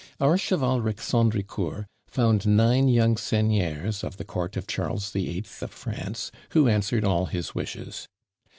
Our chivalric Sandricourt found nine young seigneurs of the court of Charles the Eighth of France, who answered all his wishes.